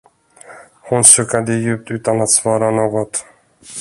Hon suckade djupt, utan att svara något.